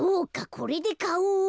これでかおを。